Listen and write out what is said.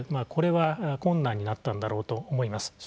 これは困難になったんだろうと思います。